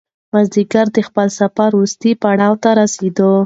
مازیګر د خپل سفر وروستي پړاو ته ورسېد.